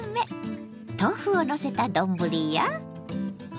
豆腐をのせた丼や。